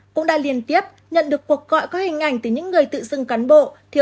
cũng đã liên tiếp nhận được cuộc gọi các hình ảnh từ những người tự xưng cán bộ